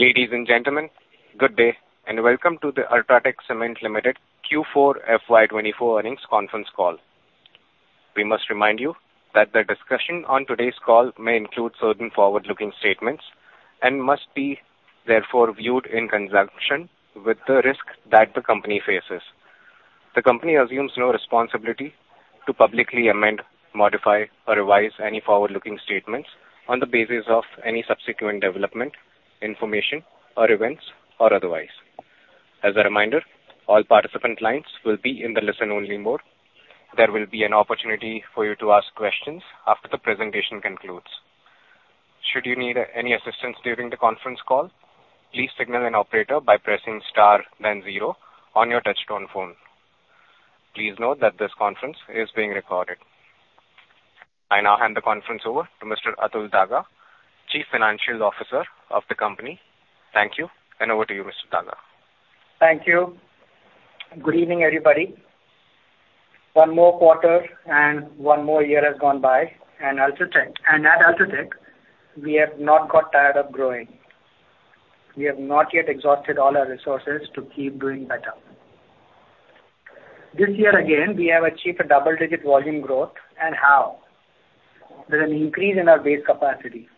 Ladies and gentlemen, good day, and welcome to the UltraTech Cement Limited Q4 FY 2024 earnings conference call. We must remind you that the discussion on today's call may include certain forward-looking statements and must be therefore viewed in conjunction with the risk that the company faces. The company assumes no responsibility to publicly amend, modify, or revise any forward-looking statements on the basis of any subsequent development, information, or events or otherwise. As a reminder, all participant lines will be in the listen-only mode. There will be an opportunity for you to ask questions after the presentation concludes. Should you need any assistance during the conference call, please signal an operator by pressing star then zero on your touchtone phone. Please note that this conference is being recorded. I now hand the conference over to Mr. Atul Daga, Chief Financial Officer of the company. Thank you, and over to you, Mr. Daga. Thank you. Good evening, everybody. One more quarter and one more year has gone by, and UltraTech. And at UltraTech, we have not got tired of growing. We have not yet exhausted all our resources to keep doing better. This year again, we have achieved a double-digit volume growth, and how? There's an increase in our base capacity.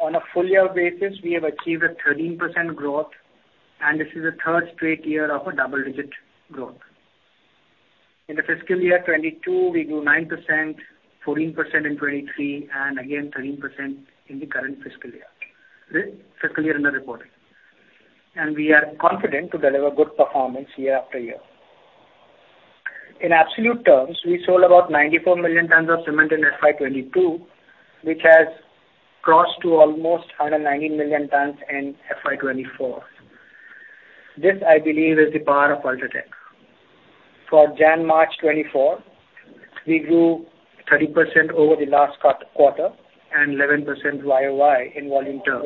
On a full year basis, we have achieved a 13% growth, and this is the third straight year of a double-digit growth. In the fiscal year 2022, we grew 9%, 14% in 2023, and again, 13% in the current fiscal year, the fiscal year under reporting. And we are confident to deliver good performance year after year. In absolute terms, we sold about 94 million tons of cement in FY 2022, which has crossed to almost 190 million tons in FY 2024. This, I believe, is the power of UltraTech. For January, March 2024, we grew 30% over the last quarter and 11% YOY in volume terms.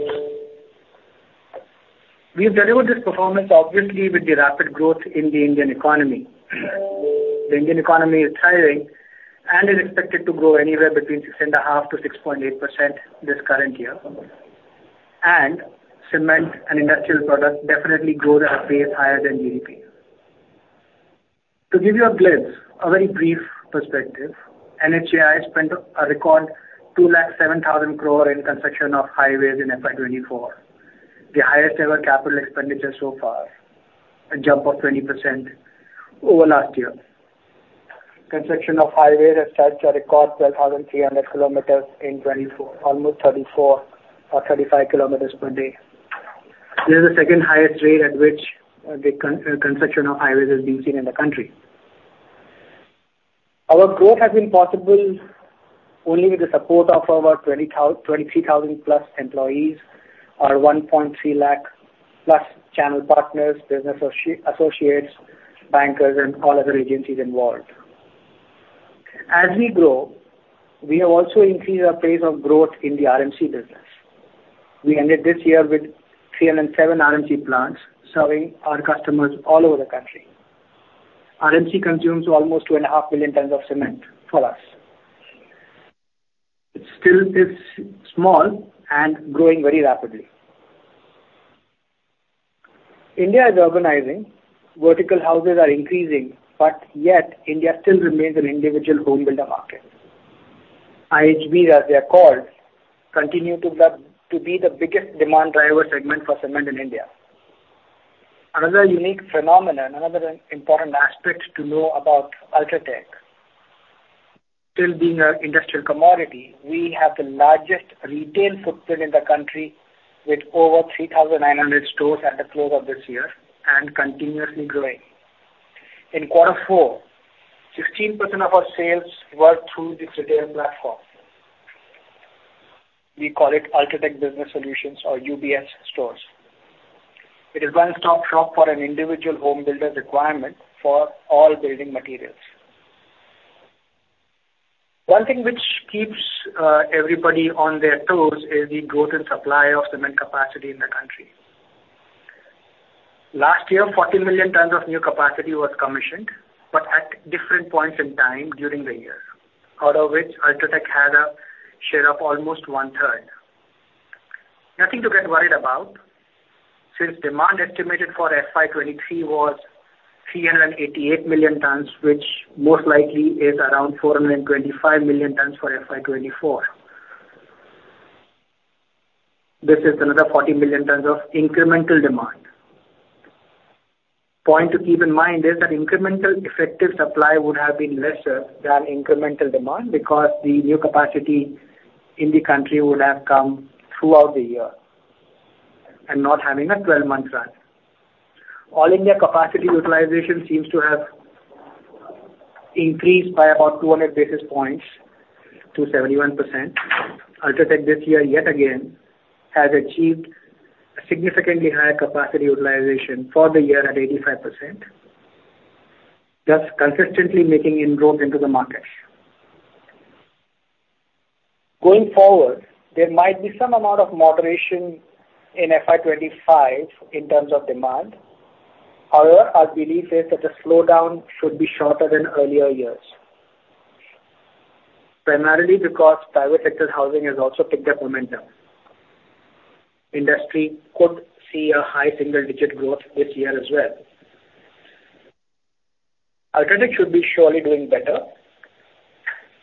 We've delivered this performance obviously with the rapid growth in the Indian economy. The Indian economy is thriving and is expected to grow anywhere between 6.5%-6.8% this current year, and cement and industrial products definitely grow at a pace higher than GDP. To give you a glimpse, a very brief perspective, NHAI spent a record 207,000 crore in construction of highways in FY 2024, the highest ever capital expenditure so far, a jump of 20% over last year. Construction of highways has touched a record 12,300 kilometers in 2024, almost 34 or 35 kilometers per day. This is the second highest rate at which the construction of highways is being seen in the country. Our growth has been possible only with the support of our 23,000+ employees, our 130,000+ channel partners, business associates, bankers, and all other agencies involved. As we grow, we have also increased our pace of growth in the RMC business. We ended this year with 307 RMC plants, serving our customers all over the country. RMC consumes almost 2.5 billion tons of cement for us. It still is small and growing very rapidly. India is urbanizing. Vertical houses are increasing, but yet India still remains an individual home builder market. IHB, as they are called, continue to be the biggest demand driver segment for cement in India. Another unique phenomenon, another important aspect to know about UltraTech, still being an industrial commodity, we have the largest retail footprint in the country, with over 3,900 stores at the close of this year and continuously growing. In quarter four, 16% of our sales were through this retail platform. We call it UltraTech Business Solutions or UBS stores. It is one-stop shop for an individual home builder requirement for all building materials. One thing which keeps everybody on their toes is the growth and supply of cement capacity in the country. Last year, 40 million tons of new capacity was commissioned, but at different points in time during the year, out of which UltraTech had a share of almost 1/3. Nothing to get worried about, since demand estimated for FY 2023 was 388 million tons, which most likely is around 425 million tons for FY 2024. This is another 40 million tons of incremental demand. Point to keep in mind is that incremental effective supply would have been lesser than incremental demand, because the new capacity in the country would have come throughout the year and not having a 12-month run. All India capacity utilization seems to have increased by about 200 basis points to 71%. UltraTech this year, yet again, has achieved a significantly higher capacity utilization for the year at 85%, thus consistently making inroads into the market. Going forward, there might be some amount of moderation in FY 2025 in terms of demand. However, our belief is that the slowdown should be shorter than earlier years... primarily because private sector housing has also picked up momentum. Industry could see a high single-digit growth this year as well. UltraTech should be surely doing better.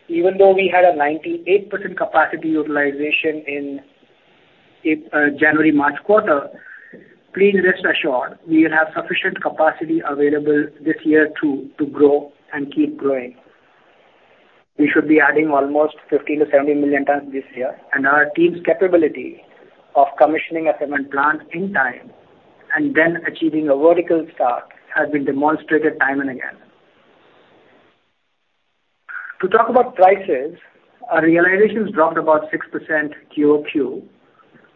Even though we had a 98% capacity utilization in January-March quarter, please rest assured we will have sufficient capacity available this year, too, to grow and keep growing. We should be adding almost 50-70 million tons this year, and our team's capability of commissioning a cement plant in time and then achieving a vertical start has been demonstrated time and again. To talk about prices, our realizations dropped about 6% QOQ.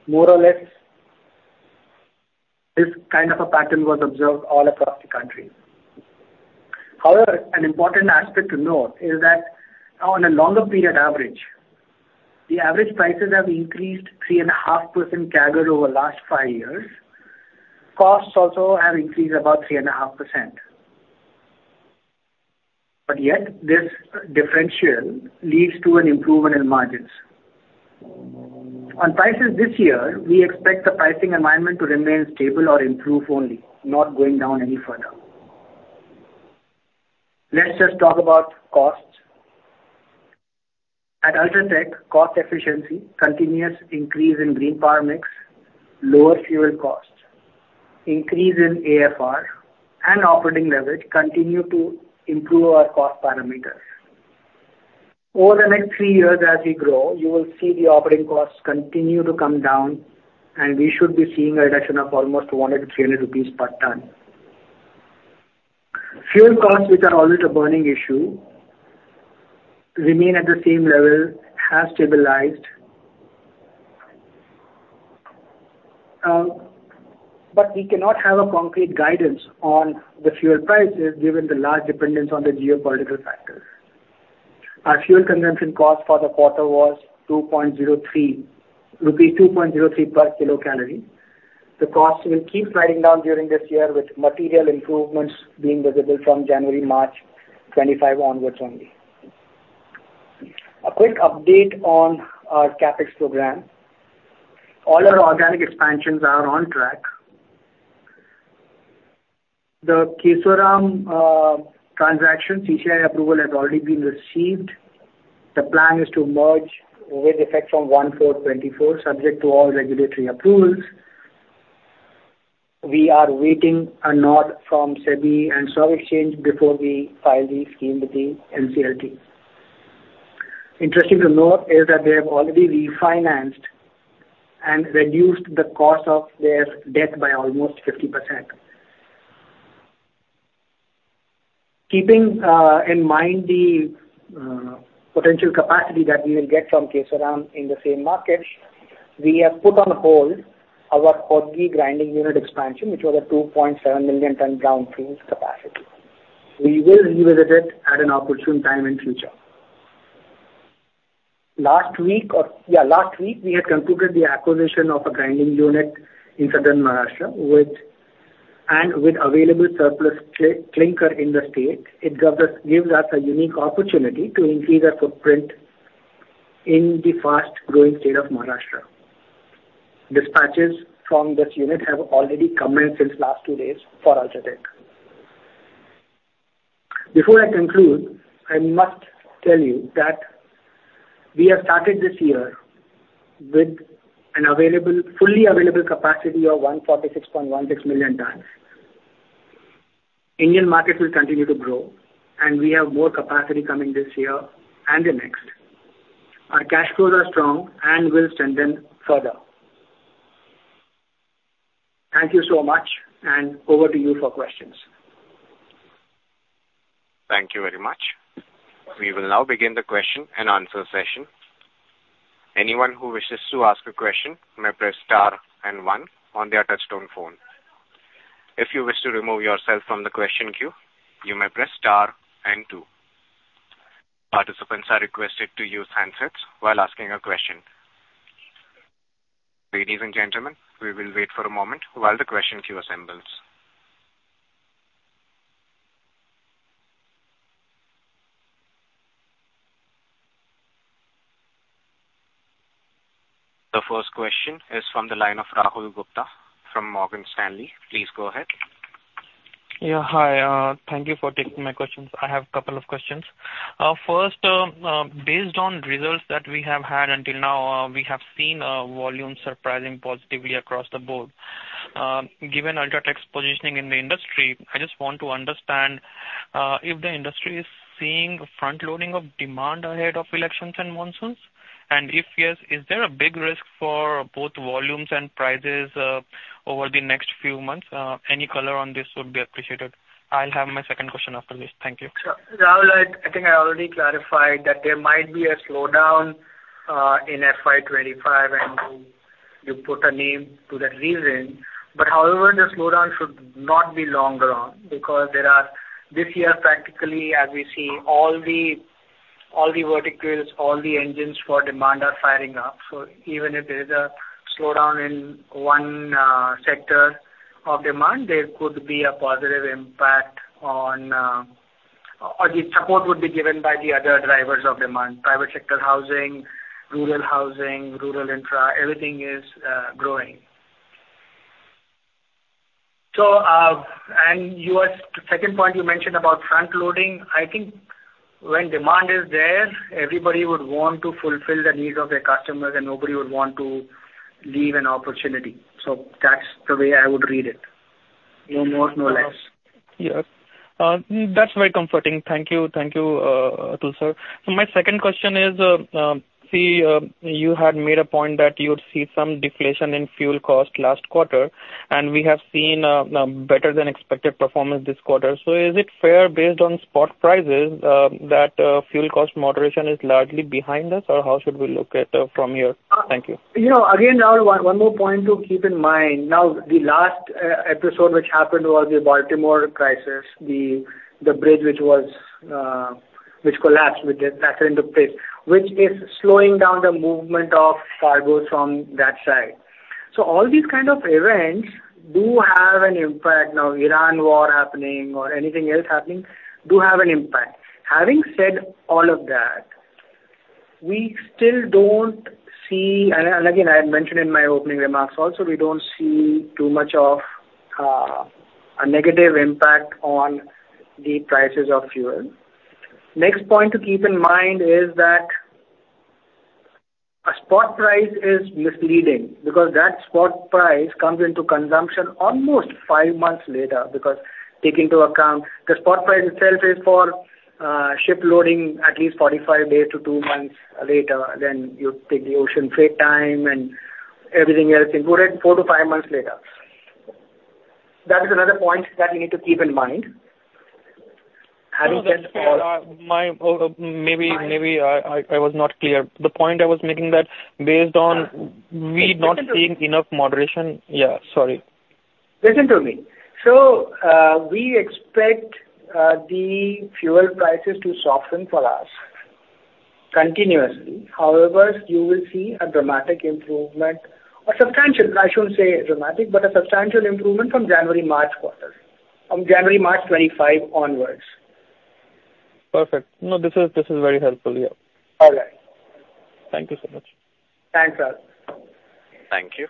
More or less, this kind of a pattern was observed all across the country. However, an important aspect to note is that on a longer period average, the average prices have increased 3.5% CAGR over the last 5 years. Costs also have increased about 3.5%. But yet, this differential leads to an improvement in margins. On prices this year, we expect the pricing environment to remain stable or improve only, not going down any further. Let's just talk about costs. At UltraTech, cost efficiency, continuous increase in green power mix, lower fuel costs, increase in AFR and operating leverage continue to improve our cost parameters. Over the next three years, as we grow, you will see the operating costs continue to come down, and we should be seeing a reduction of almost 100-300 rupees per ton. Fuel costs, which are always a burning issue, remain at the same level, have stabilized. We cannot have a concrete guidance on the fuel prices, given the large dependence on the geopolitical factors. Our fuel consumption cost for the quarter was 2.03 rupees per kilocalorie. The cost will keep sliding down during this year, with material improvements being visible from January-March 2025 onwards only. A quick update on our CapEx program. All our organic expansions are on track. The Kesoram transaction, CCI approval has already been received. The plan is to merge with effect from 1/4/2024, subject to all regulatory approvals. We are waiting a nod from SEBI and stock exchange before we file the scheme with the NCLT. Interesting to note is that they have already refinanced and reduced the cost of their debt by almost 50%. Keeping in mind the potential capacity that we will get from Kesoram in the same market, we have put on hold our Hotgi grinding unit expansion, which was a 2.7 million ton throughput capacity. We will revisit it at an opportune time in future. Last week, we had concluded the acquisition of a grinding unit in southern Maharashtra, and with available surplus clinker in the state, it gives us a unique opportunity to increase our footprint in the fast-growing state of Maharashtra. Dispatches from this unit have already commenced since last two days for UltraTech. Before I conclude, I must tell you that we have started this year with an available, fully available capacity of 146.16 million tons. Indian market will continue to grow, and we have more capacity coming this year and the next. Our cash flows are strong and will strengthen further. Thank you so much, and over to you for questions. Thank you very much. We will now begin the question-and-answer session. Anyone who wishes to ask a question may press star and one on their touchtone phone. If you wish to remove yourself from the question queue, you may press star and two. Participants are requested to use handsets while asking a question. Ladies and gentlemen, we will wait for a moment while the question queue assembles. The first question is from the line of Rahul Gupta from Morgan Stanley. Please go ahead. Yeah, hi. Thank you for taking my questions. I have a couple of questions. First, based on results that we have had until now, we have seen volume surprising positively across the board. Given UltraTech's positioning in the industry, I just want to understand if the industry is seeing front-loading of demand ahead of elections and monsoons, and if yes, is there a big risk for both volumes and prices over the next few months? Any color on this would be appreciated. I'll have my second question after this. Thank you. So, Rahul, I think I already clarified that there might be a slowdown in FY 25, and you put a name to the reason. But however, the slowdown should not be long drawn because there are this year, practically, as we see, all the verticals, all the engines for demand are firing up. So even if there is a slowdown in one sector of demand, there could be a positive impact or the support would be given by the other drivers of demand. Private sector housing, rural housing, rural infra, everything is growing. So, and your second point, you mentioned about frontloading. I think when demand is there, everybody would want to fulfill the needs of their customers, and nobody would want to leave an opportunity. So that's the way I would read it, no more, no less. Yes. That's very comforting. Thank you. Thank you, Atul, sir. So my second question is, you had made a point that you would see some deflation in fuel cost last quarter, and we have seen better than expected performance this quarter. So is it fair, based on spot prices, that fuel cost moderation is largely behind us, or how should we look at from here? Thank you. You know, again, now, one more point to keep in mind. Now, the last episode, which happened, was the Baltimore crisis, the bridge which collapsed, which then shattered into place, which is slowing down the movement of cargoes from that side. So all these kind of events do have an impact. Now, Iran war happening or anything else happening, do have an impact. Having said all of that, we still don't see... And again, I had mentioned in my opening remarks also, we don't see too much of a negative impact on the prices of fuel. Next point to keep in mind is that a spot price is misleading, because that spot price comes into consumption almost five months later. Because take into account, the spot price itself is for ship loading at least 45 days to two months later. Then you take the ocean freight time and everything else included, four to five months later. That is another point that you need to keep in mind. Having said all- Maybe I was not clear. The point I was making that based on- Yeah. We not seeing enough moderation. Yeah, sorry. Listen to me. We expect the fuel prices to soften for us continuously. However, you will see a dramatic improvement or substantial, I shouldn't say dramatic, but a substantial improvement from January-March quarter. From January-March 2025 onwards. Perfect. No, this is, this is very helpful. Yeah. All right. Thank you so much. Thanks, sir. Thank you.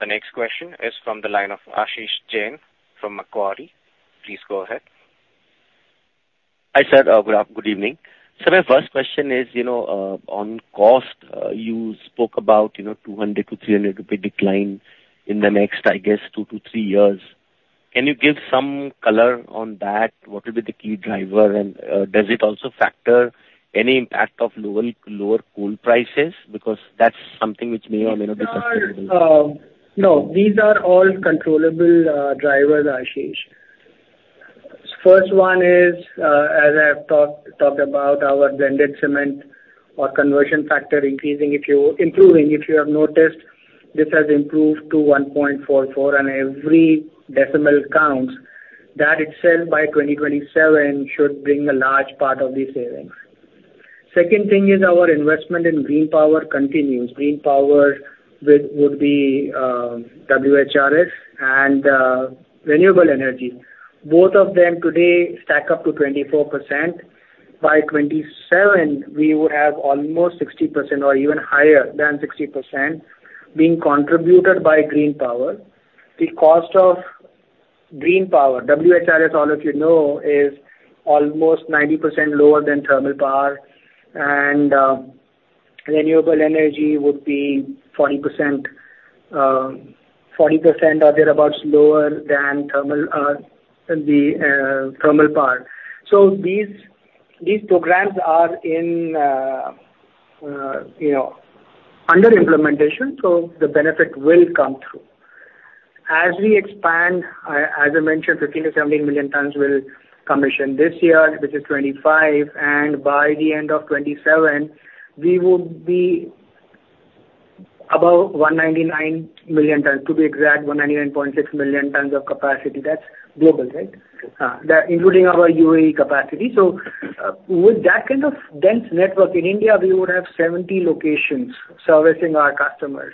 The next question is from the line of Ashish Jain from Macquarie. Please go ahead. Hi, sir. Good evening. Sir, my first question is, you know, on cost, you spoke about, you know, 200-300 rupee decline in the next, I guess, two to three years. Can you give some color on that? What will be the key driver, and, does it also factor any impact of lower coal prices? Because that's something which may or may not be controllable. No, these are all controllable drivers, Ashish. First one is, as I have talked about our blended cement or conversion factor increasing if you... Improving. If you have noticed, this has improved to 1.44, and every decimal counts. That itself, by 2027, should bring a large part of the savings. Second thing is our investment in green power continues. Green power would be WHRS and renewable energy. Both of them today stack up to 24%. By 2027, we would have almost 60% or even higher than 60% being contributed by green power. The cost of green power, WHRS, all of you know, is almost 90% lower than thermal power, and renewable energy would be 40%, 40%, or thereabout, lower than thermal, the thermal power. So these, these programs are in, you know, under implementation, so the benefit will come through. As we expand, as I mentioned, 15-17 million tons will commission this year, which is 2025, and by the end of 2027, we would be above 199 million tons. To be exact, 199.6 million tons of capacity. That's global, right? Yes. That including our UAE capacity. So, with that kind of dense network in India, we would have 70 locations servicing our customers.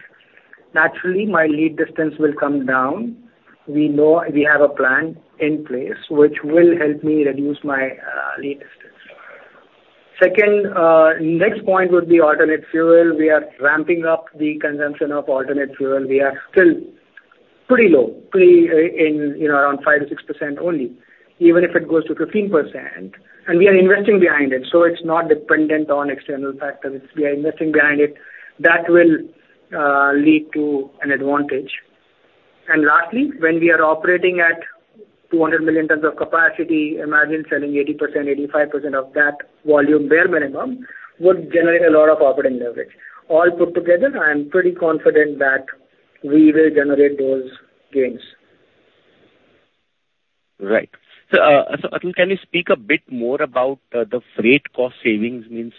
Naturally, my lead distance will come down. We know we have a plan in place which will help me reduce my lead distance. Second, next point would be alternate fuel. We are ramping up the consumption of alternate fuel. We are still pretty low, pretty, in, you know, around 5%-6% only. Even if it goes to 15%, and we are investing behind it, so it's not dependent on external factors. We are investing behind it. That will lead to an advantage. And lastly, when we are operating at 200 million tons of capacity, imagine selling 80%, 85% of that volume bare minimum, would generate a lot of operating leverage. All put together, I am pretty confident that we will generate those gains. Right. So, Atul, can you speak a bit more about the freight cost savings? I mean,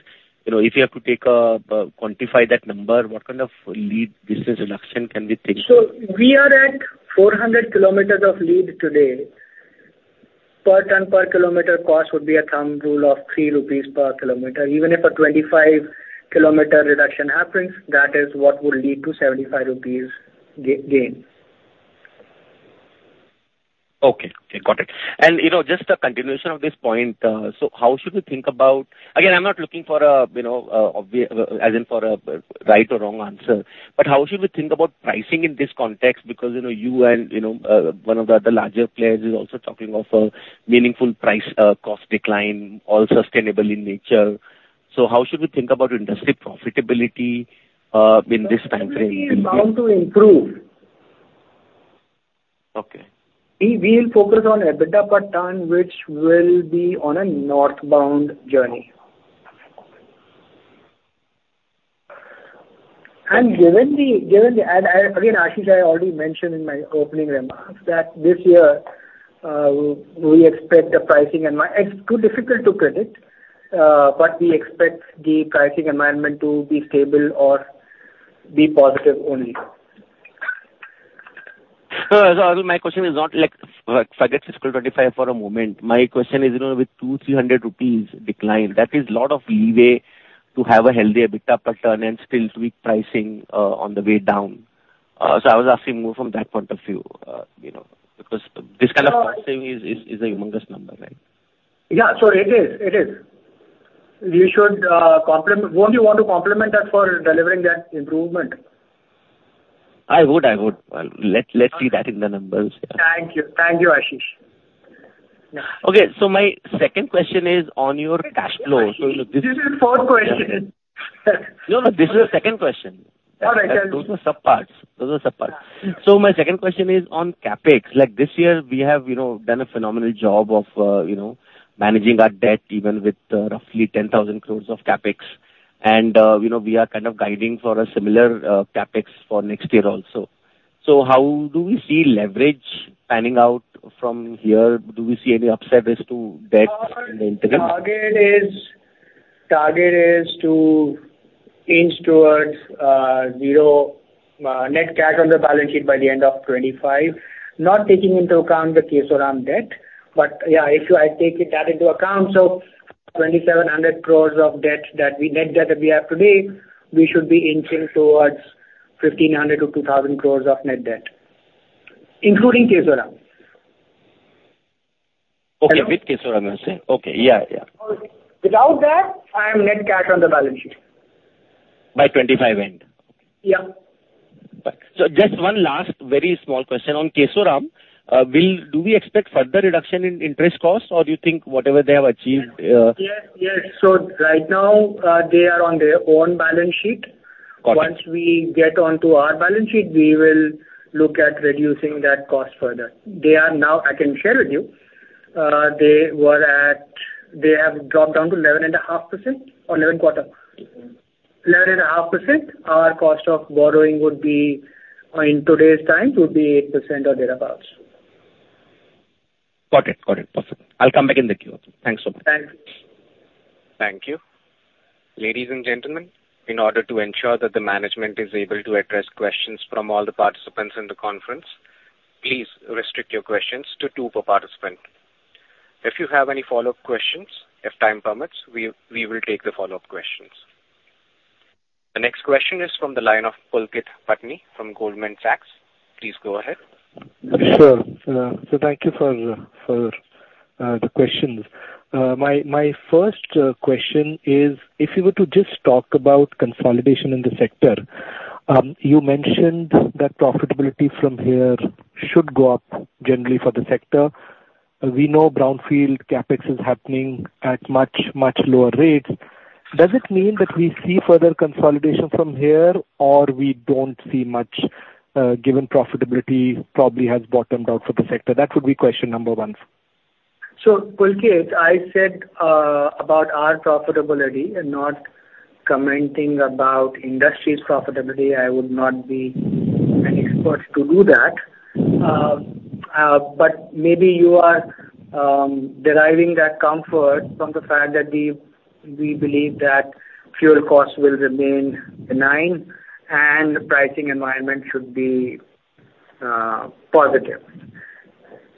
you know, if you have to quantify that number, what kind of lead distance reduction can we take? We are at 400 km of lead today. Per ton, per km cost would be a thumb rule of 3 rupees per km. Even if a 25-km reduction happens, that is what would lead to 75 rupees gain. Okay, okay, got it. And, you know, just a continuation of this point, so how should we think about. Again, I'm not looking for a, you know, for a right or wrong answer, but how should we think about pricing in this context? Because, you know, you and, you know, one of the other larger players is also talking of a meaningful price, cost decline, all sustainable in nature. So how should we think about industry profitability in this timeframe? Profitability is bound to improve. Okay. We will focus on EBITDA per ton, which will be on a northbound journey. And given the... And again, Ashish, I already mentioned in my opening remarks that this year, we expect the pricing environment, it's too difficult to predict, but we expect the pricing environment to be stable or be positive only. My question is not like, forget fiscal 25 for a moment. My question is, you know, with 200-300 rupees decline, that is a lot of leeway to have a healthy EBITDA per ton and still sweet pricing on the way down. So I was asking more from that point of view, you know, because this kind of pricing is a humongous number, right? Yeah. So it is, it is. You should compliment... Won't you want to compliment us for delivering that improvement? I would. Well, let's see that in the numbers. Yeah. Thank you. Thank you, Ashish. Okay, so my second question is on your cash flow. So this- This is fourth question. No, no, this is the second question. All right. Those are subparts. Those are subparts. So my second question is on CapEx. Like, this year, we have, you know, done a phenomenal job of, you know, managing our debt, even with, roughly 10,000 crore of CapEx. And, you know, we are kind of guiding for a similar CapEx for next year also. So how do we see leverage panning out from here? Do we see any upside risk to debt in the interim? Our target is to inch towards zero net cash on the balance sheet by the end of 2025. Not taking into account the Kesoram debt. But, yeah, if I take that into account, so 2,700 crore net debt that we have today, we should be inching towards 1,500 crore-2,000 crore of net debt, including Kesoram. Okay. With Kesoram, you're saying? Okay. Yeah, yeah. Without that, I am net cash on the balance sheet. By 2025 end? Yeah. Just one last, very small question on Kesoram. Do we expect further reduction in interest costs, or do you think whatever they have achieved? Yes, yes. So right now, they are on their own balance sheet. Got it. Once we get onto our balance sheet, we will look at reducing that cost further. They are now, I can share with you, they have dropped down to 11.5% or 11.25%. 11.5%, our cost of borrowing would be, in today's times, would be 8% or thereabouts. Got it, got it. Perfect. I'll come back in the queue. Thanks so much. Thanks. Thank you. Ladies and gentlemen, in order to ensure that the management is able to address questions from all the participants in the conference, please restrict your questions to two per participant. If you have any follow-up questions, if time permits, we will take the follow-up questions. The next question is from the line of Pulkit Patni from Goldman Sachs. Please go ahead. Sure. So thank you for the questions. My first question is, if you were to just talk about consolidation in the sector, you mentioned that profitability from here should go up generally for the sector. We know brownfield CapEx is happening at much, much lower rates. Does it mean that we see further consolidation from here, or we don't see much, given profitability probably has bottomed out for the sector? That would be question number one. So, Pulkit, I said about our profitability and not commenting about industry's profitability. I would not be an expert to do that. But maybe you are deriving that comfort from the fact that we believe that fuel costs will remain benign and the pricing environment should be positive.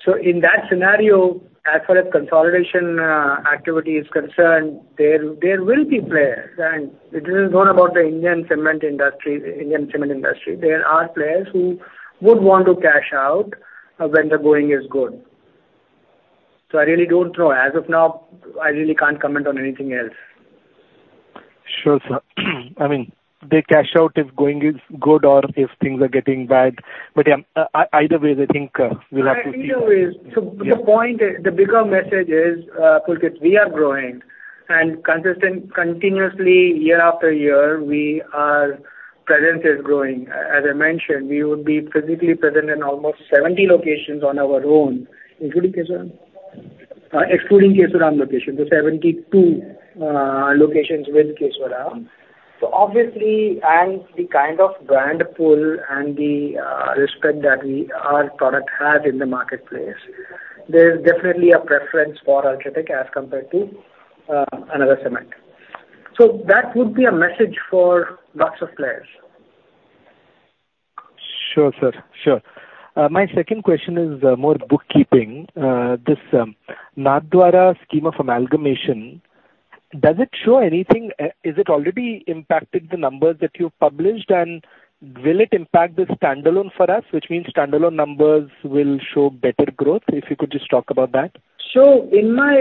So in that scenario, as far as consolidation activity is concerned, there will be players, and it isn't known about the Indian cement industry, Indian cement industry. There are players who would want to cash out when the going is good. So I really don't know. As of now, I really can't comment on anything else. Sure, sir. I mean, they cash out if going is good or if things are getting bad. But, yeah, either way, I think, we'll have to see. Either way. So the point is, the bigger message is, Pulkit, we are growing and consistent, continuously, year after year, we, our presence is growing. As I mentioned, we would be physically present in almost 70 locations on our own, including Kesoram? Excluding Kesoram location, so 72 locations with Kesoram. So obviously, and the kind of brand pull and the respect that we, our product has in the marketplace, there's definitely a preference for UltraTech as compared to another cement. So that would be a message for lots of players.... Sure, sir. Sure. My second question is more bookkeeping. This Nathdwara scheme of amalgamation, does it show anything? Is it already impacted the numbers that you've published, and will it impact the standalone for us, which means standalone numbers will show better growth? If you could just talk about that. So in my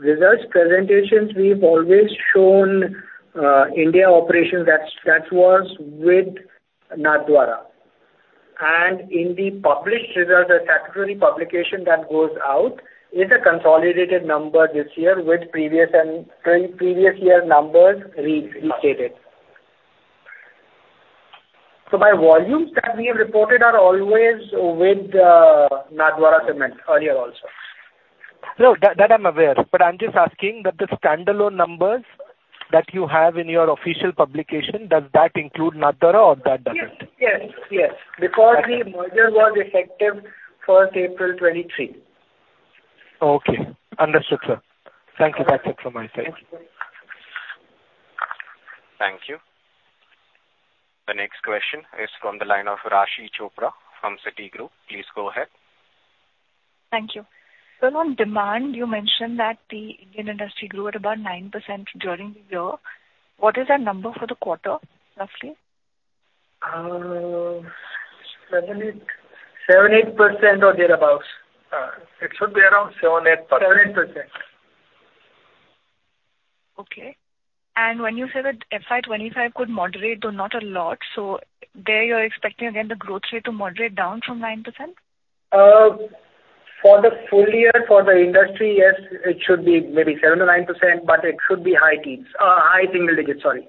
results presentations, we've always shown India operations that was with Nathdwara. And in the published results, the statutory publication that goes out is a consolidated number this year with previous and current previous year numbers restated. So by volumes that we have reported are always with Nathdwara Cement earlier also. No, that I'm aware. But I'm just asking that the standalone numbers that you have in your official publication, does that include Nathdwara or that doesn't? Yes. Yes, yes. Because the merger was effective April 1, 2023. Okay. Understood, sir. Thank you. That's it from my side. Thank you. The next question is from the line of Raashi Chopra from Citigroup. Please go ahead. Thank you. So on demand, you mentioned that the Indian industry grew at about 9% during the year. What is that number for the quarter, roughly? 7-8, 7-8% or thereabouts. It should be around 7-8%. 7%-8%. Okay. And when you say that FY 2025 could moderate, though not a lot, so there you're expecting again, the growth rate to moderate down from 9%? For the full year, for the industry, yes, it should be maybe 7%-9%, but it should be high teens, high single digits, sorry.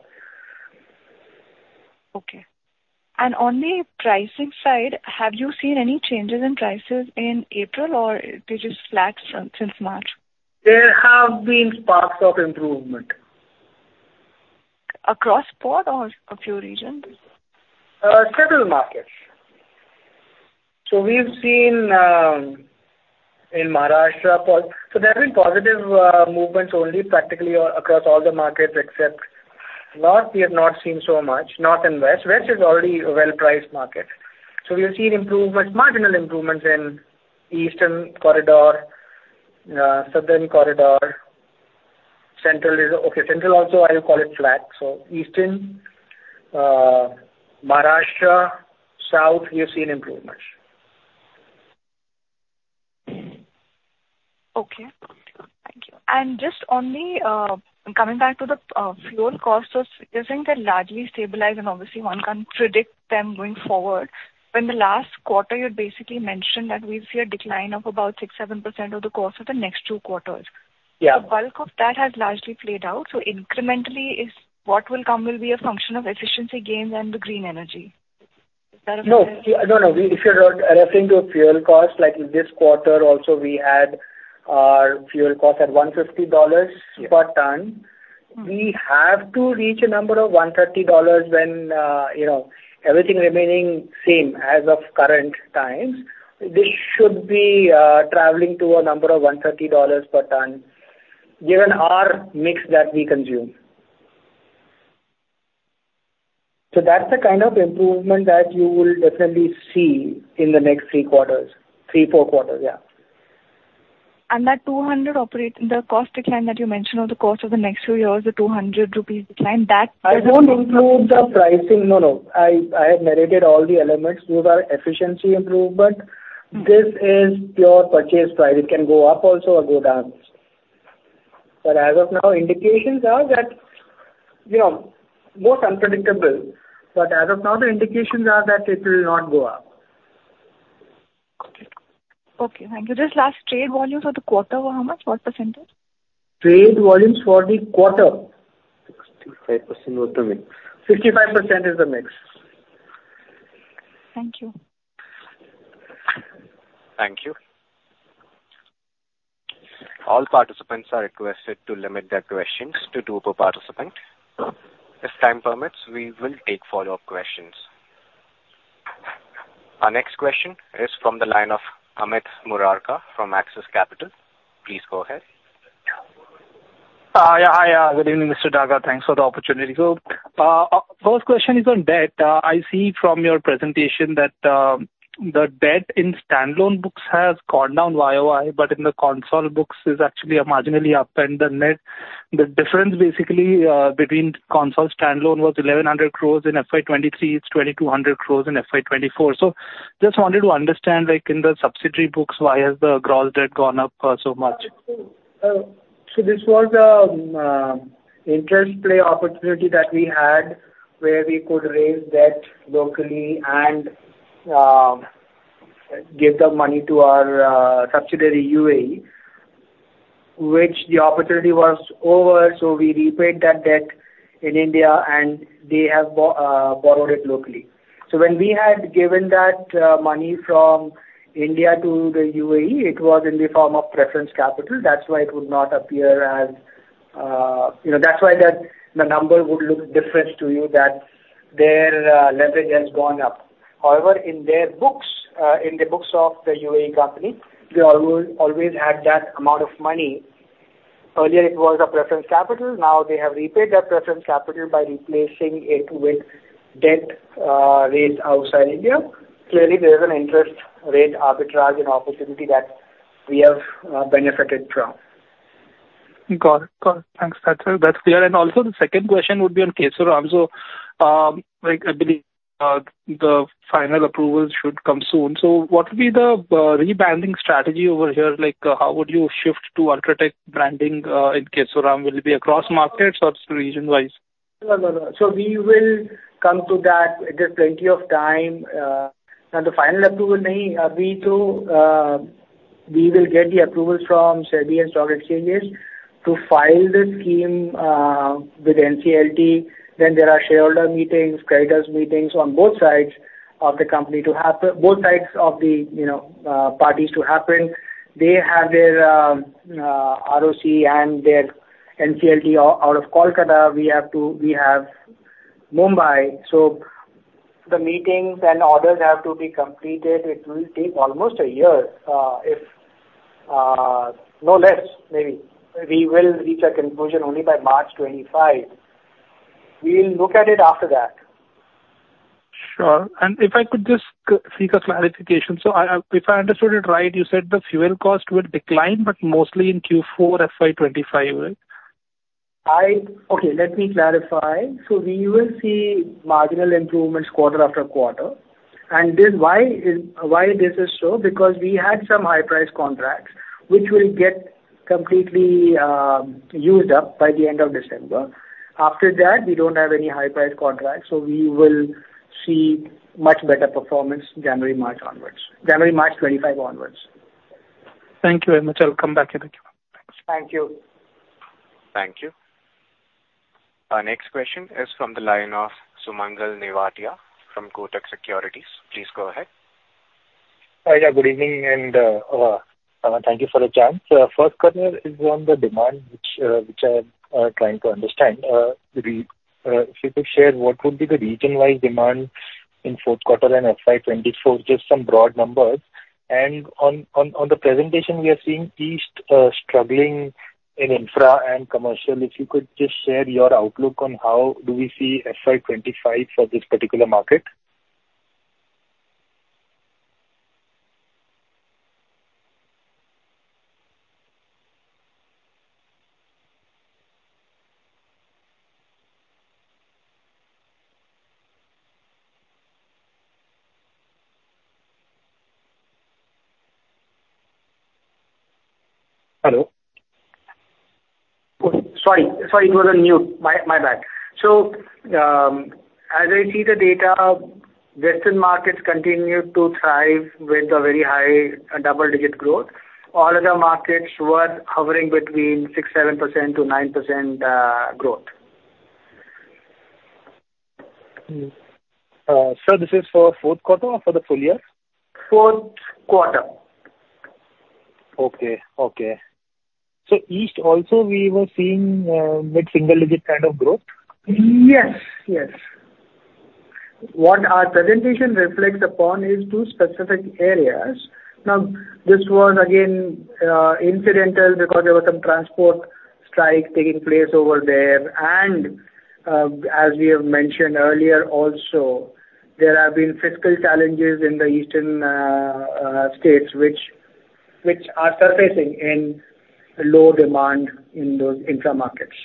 Okay. On the pricing side, have you seen any changes in prices in April, or they just flat since March? There have been sparks of improvement. Across port or a few regions? Several markets. So we've seen in Maharashtra port. So there have been positive movements only practically across all the markets, except north, we have not seen so much, north and west. West is already a well-priced market. So we have seen improvements, marginal improvements in eastern corridor, southern corridor. Central is okay. Central also, I will call it flat. So eastern, Maharashtra, south, we have seen improvements. Okay. Thank you. And just on the coming back to the fuel costs, I think they're largely stabilized and obviously one can't predict them going forward. In the last quarter, you basically mentioned that we've seen a decline of about 6%-7% of the cost for the next two quarters. Yeah. The bulk of that has largely played out, so incrementally, what will come will be a function of efficiency gains and the green energy. Is that okay? No. No, no. We, if you're referring to a fuel cost, like this quarter also, we had our fuel cost at $150 per ton. Mm-hmm. We have to reach a number of $130 when, you know, everything remaining same as of current times. This should be, traveling to a number of $130 per ton, given our mix that we consume. So that's the kind of improvement that you will definitely see in the next three quarters. three to four quarters, yeah. That 200, the cost decline that you mentioned over the course of the next two years, the 200 rupees decline, that? I won't include the pricing. No, no. I, I have narrated all the elements. Those are efficiency improvement. Mm. This is pure purchase price. It can go up also or go down. But as of now, indications are that, you know, more unpredictable, but as of now, the indications are that it will not go up. Okay. Thank you. Just last trade volumes for the quarter were how much? What percentage? Trade volumes for the quarter? 65% or thereabouts. 55% is the mix. Thank you. Thank you. All participants are requested to limit their questions to two per participant. If time permits, we will take follow-up questions. Our next question is from the line of Amit Murarka from Axis Capital. Please go ahead. Yeah. Hi, good evening, Mr. Daga. Thanks for the opportunity. So, first question is on debt. I see from your presentation that the debt in standalone books has gone down YOY, but in the consolidated books is actually marginally up and the net difference basically between consolidated standalone was 1,100 crores in FY 2023, it's 2,200 crores in FY 2024. So just wanted to understand, like in the subsidiary books, why has the gross debt gone up so much? So this was a interest play opportunity that we had, where we could raise debt locally and give the money to our subsidiary, UAE, which the opportunity was over, so we repaid that debt in India, and they have borrowed it locally. So when we had given that money from India to the UAE, it was in the form of preference capital. That's why it would not appear as you know, that's why the number would look different to you, that their leverage has gone up. However, in their books, in the books of the UAE company, they always had that amount of money—earlier it was a preference capital. Now they have repaid that preference capital by replacing it with debt raised outside India. Clearly, there is an interest rate arbitrage and opportunity that we have benefited from. Got it. Got it. Thanks. That's, that's clear. And also the second question would be on Kesoram. So, like, I believe the final approval should come soon. So what will be the rebranding strategy over here? Like, how would you shift to UltraTech branding in Kesoram? Will it be across markets or region-wise? No, no, no. So we will come to that. There's plenty of time. Now, the final approval, nahi, abhi to, we will get the approval from SEBI and stock exchanges to file the scheme with NCLT. Then there are shareholder meetings, creditors meetings on both sides of the company to happen, both sides of the, you know, parties to happen. They have their ROC and their NCLT out of Kolkata. We have to. We have Mumbai. So the meetings and orders have to be completed. It will take almost a year, if no less, maybe. We will reach a conclusion only by March 2025. We'll look at it after that. Sure. And if I could just seek a clarification. So, if I understood it right, you said the fuel cost will decline, but mostly in Q4 FY2025, right? Okay, let me clarify. So we will see marginal improvements quarter after quarter. And this, why is, why this is so? Because we had some high-price contracts which will get completely used up by the end of December. After that, we don't have any high-price contracts, so we will see much better performance January, March onwards. January, March 2025 onwards. Thank you very much. I'll come back if I can. Thank you. Thank you. Our next question is from the line of Sumangal Nevatia from Kotak Securities. Please go ahead. Hi, yeah, good evening, and thank you for the chance. So first question is on the demand, which, which I am trying to understand. If you could share, what would be the region-wide demand in fourth quarter and FY 2024? Just some broad numbers. And on the presentation, we are seeing East struggling in infra and commercial. If you could just share your outlook on how do we see FY 2025 for this particular market? Hello? Sorry. Sorry, it was on mute. My, my bad. So, as I see the data, western markets continue to thrive with a very high double-digit growth. All other markets were hovering between 6-7% to 9% growth. Sir, this is for fourth quarter or for the full year? Fourth quarter. Okay, okay. So East also, we were seeing mid-single digit kind of growth? Yes, yes. What our presentation reflects upon is two specific areas. Now, this was again incidental because there were some transport strikes taking place over there. As we have mentioned earlier, also, there have been fiscal challenges in the eastern states, which are surfacing in low demand in those infra markets.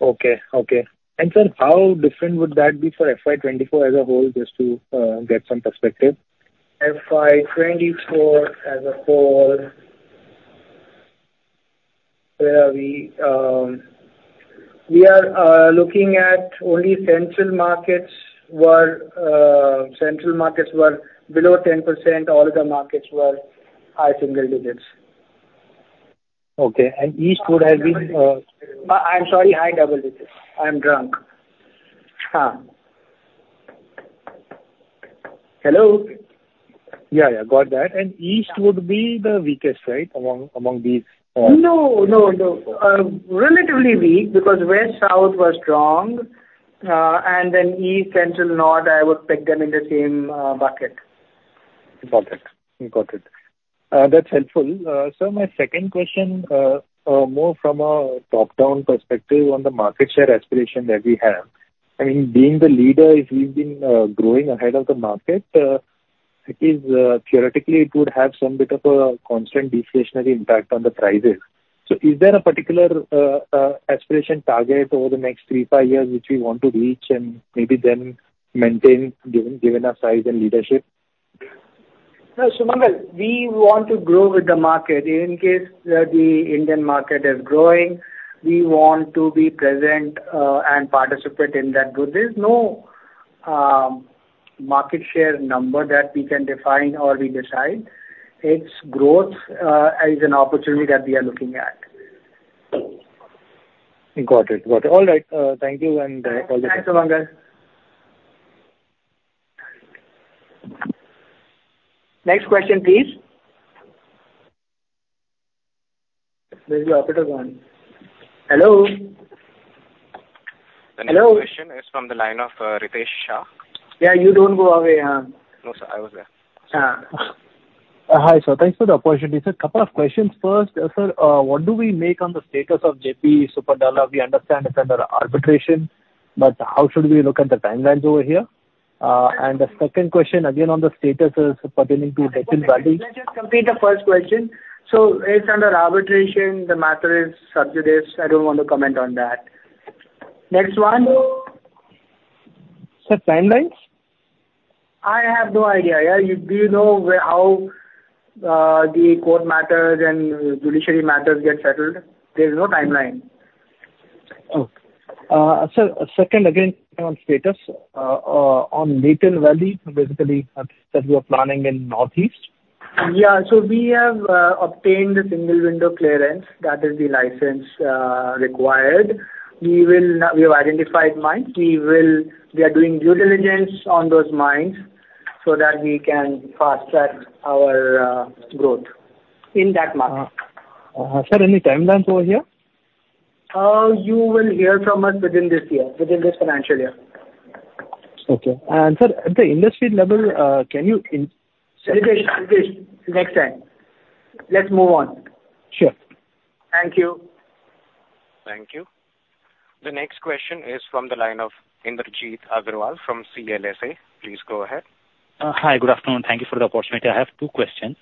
Okay, okay. And sir, how different would that be for FY 2024 as a whole, just to get some perspective? FY 2024 as a whole, where are we? We are looking at only central markets were below 10%. All other markets were high single digits. Okay, and East would have been. I'm sorry, high double digits. I'm wrong. Hello? Yeah, yeah, got that. And East would be the weakest, right, among these? No, no, no. Relatively weak, because where south was strong, and then east, central, north, I would pick them in the same bucket. Got it. Got it. That's helpful. Sir, my second question, more from a top-down perspective on the market share aspiration that we have. I mean, being the leader, if we've been growing ahead of the market, it is theoretically, it would have some bit of a constant deflationary impact on the prices. So is there a particular aspiration target over the next three, five years which we want to reach and maybe then maintain, given our size and leadership? No, Sumangal, we want to grow with the market. In case, the Indian market is growing, we want to be present, and participate in that good. There's no, market share number that we can define or we decide. It's growth, as an opportunity that we are looking at. Got it. Got it. All right. Thank you, and all the best. Thanks, Sumangal. Next question, please. Where's the operator gone? Hello?... The next question is from the line of, Ritesh Shah. Yeah, you don't go away. No, sir, I was there. Ah. Hi, sir. Thanks for the opportunity. So a couple of questions. First, sir, what do we make on the status of JP Super Dalla? We understand it's under arbitration, but how should we look at the timelines over here? And the second question, again, on the status is pertaining to Natal Valley. Let's just complete the first question. So it's under arbitration. The matter is sub judice. I don't want to comment on that. Next one? Sir, timelines? I have no idea, yeah. You do know where, how, the court matters and judiciary matters get settled? There's no timeline. Sir, second, again on status on Natal Valley, basically that you are planning in Northeast. Yeah. So we have obtained the single window clearance. That is the license required. We will now... We have identified mines. We are doing due diligence on those mines so that we can fast-track our growth in that market. Sir, any timelines over here? You will hear from us within this year, within this financial year. Okay. And sir, at the industry level, can you in. Ritesh, Ritesh, next time. Let's move on. Sure. Thank you. Thank you. The next question is from the line of Indrajit Agarwal from CLSA. Please go ahead. Hi. Good afternoon. Thank you for the opportunity. I have two questions.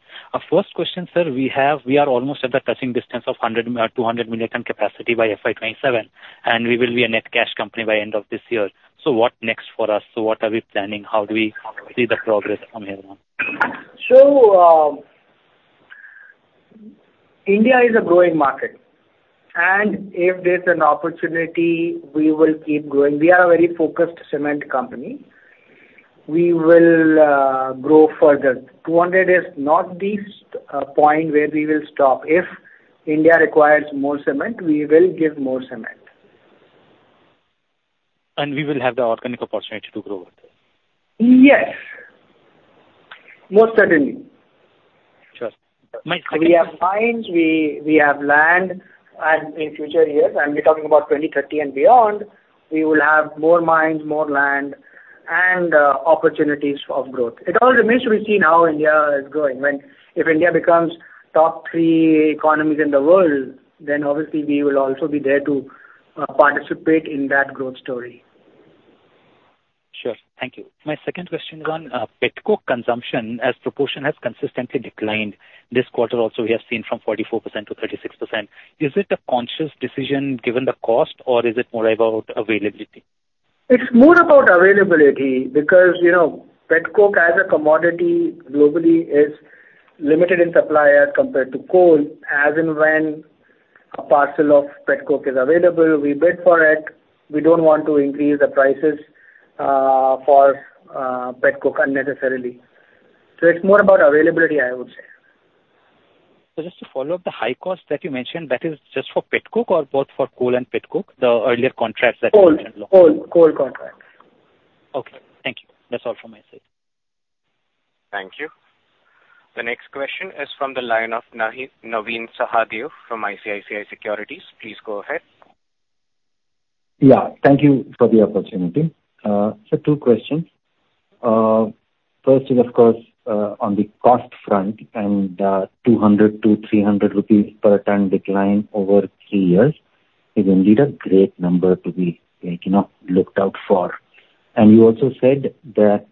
First question, sir, we have, we are almost at the touching distance of 200 million ton capacity by FY 2027, and we will be a net cash company by end of this year. So what next for us? So what are we planning? How do we see the progress from here on? India is a growing market, and if there's an opportunity, we will keep growing. We are a very focused cement company. We will grow further. 200 is not the point where we will stop. If India requires more cement, we will give more cement. We will have the organic opportunity to grow with it? Yes. Most certainly. Sure. My second- We have mines, we have land, and in future years, I'll be talking about 2030 and beyond, we will have more mines, more land, and opportunities of growth. It all remains to be seen how India is growing. If India becomes top three economies in the world, then obviously we will also be there to participate in that growth story. Sure. Thank you. My second question is on Petcoke consumption, as proportion, has consistently declined. This quarter also, we have seen from 44% to 36%. Is it a conscious decision given the cost, or is it more about availability? It's more about availability, because, you know, Petcoke as a commodity globally is limited in supply as compared to coal. As and when a parcel of Petcoke is available, we bid for it. We don't want to increase the prices for Petcoke unnecessarily. So it's more about availability, I would say. So just to follow up, the high cost that you mentioned, that is just for Petcoke or both for coal and Petcoke, the earlier contracts that you mentioned? Coal. Coal. Coal contracts. Okay, thank you. That's all from my side. Thank you. The next question is from the line of Navin Sahadeo from ICICI Securities. Please go ahead. Yeah, thank you for the opportunity. So two questions. First is, of course, on the cost front, and, 200-300 rupees per ton decline over three years is indeed a great number to be, you know, looked out for. And you also said that,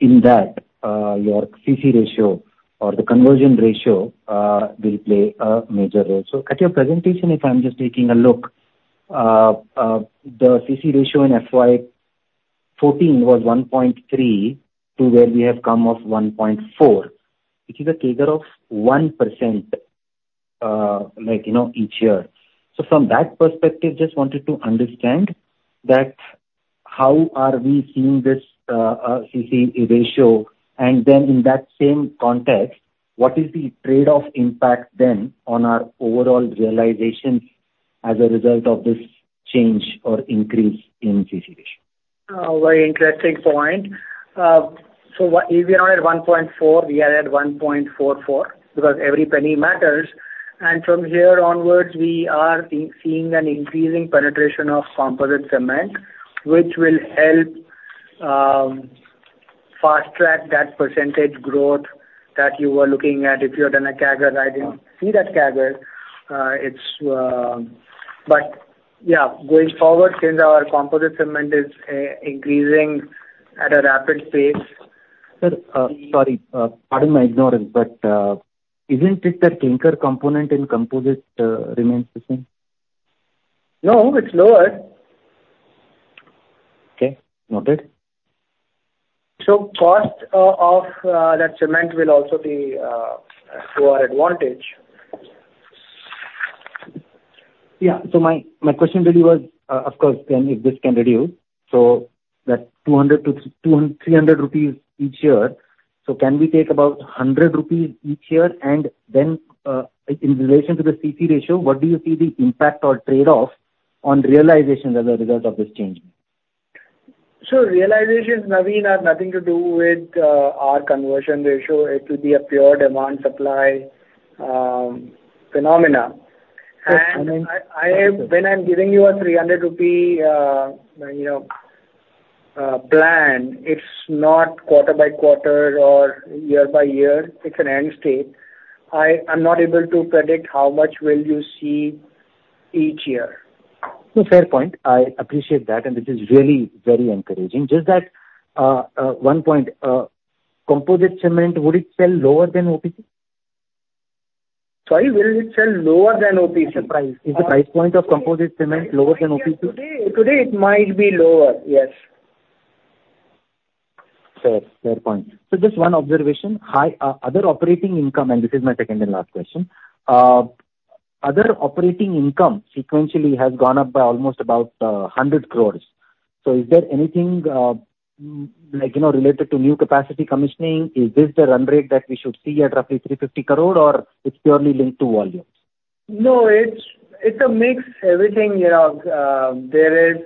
in that, your CC ratio or the conversion ratio, will play a major role. So at your presentation, if I'm just taking a look, the CC ratio in FY 2014 was 1.3, to where we have come off 1.4, which is a CAGR of 1%, like, you know, each year. So from that perspective, just wanted to understand that how are we seeing this, CC ratio? And then in that same context, what is the trade-off impact then on our overall realization as a result of this change or increase in CC ratio? Very interesting point. So what, we are not at 1.4, we are at 1.44, because every penny matters. And from here onwards, we are seeing an increasing penetration of composite cement, which will help fast-track that percentage growth that you were looking at. If you had done a CAGR, I didn't see that CAGR. But yeah, going forward, since our composite cement is increasing at a rapid pace- Sir, sorry, pardon my ignorance, but isn't it the clinker component in composite remains the same? No, it's lower. Okay, noted. So cost of that cement will also be to our advantage. Yeah. So my, my question really was, of course, then if this can reduce, so that 200-2,300 rupees each year, so can we take about 100 rupees each year? And then, in relation to the CC ratio, what do you see the impact or trade-off on realization as a result of this change?... So realizations, Naveen, have nothing to do with our conversion ratio. It will be a pure demand supply phenomena. Okay. I, when I'm giving you a 300 rupee, you know, plan, it's not quarter by quarter or year by year, it's an end state. I'm not able to predict how much will you see each year. No, fair point. I appreciate that, and it is really very encouraging. Just that, one point, composite cement, would it sell lower than OPC? Sorry, will it sell lower than OPC? The price. Is the price point of composite cement lower than OPC? Today, it might be lower, yes. Fair, fair point. So just one observation. High, other operating income, and this is my second and last question. Other operating income sequentially has gone up by almost about 100 crore. So is there anything, like, you know, related to new capacity commissioning? Is this the run rate that we should see at roughly 350 crore, or it's purely linked to volumes? No, it's a mix. Everything, you know, there is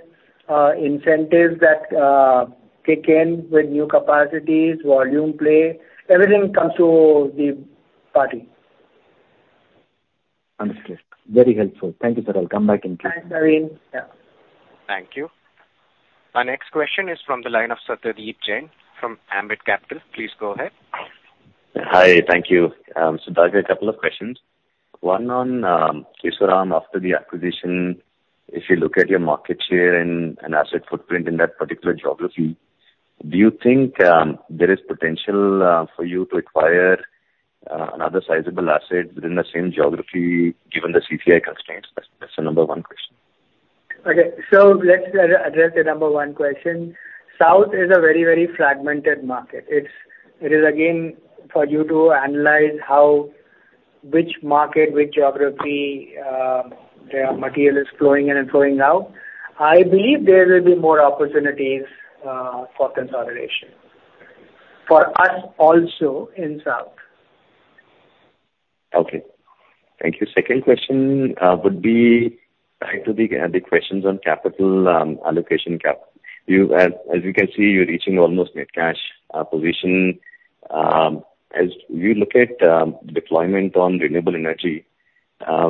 incentives that kick in with new capacities, volume play. Everything comes to the party. Understood. Very helpful. Thank you, sir. I'll come back in touch. Thanks, NavIn. Yeah. Thank you. Our next question is from the line of Satyadeep Jain from Ambit Capital. Please go ahead. Hi, thank you. So I have a couple of questions. One on, Kishoram, after the acquisition, if you look at your market share and, and asset footprint in that particular geography, do you think, there is potential, for you to acquire, another sizable asset within the same geography, given the CCI constraints? That's, that's the number one question. Okay, so let's address the number one question. South is a very, very fragmented market. It is again, for you to analyze how, which market, which geography, the material is flowing in and flowing out. I believe there will be more opportunities for consolidation, for us also in South. Okay. Thank you. Second question would be back to the questions on capital allocation capital. You, as you can see, you're reaching almost net cash position. As you look at deployment on renewable energy,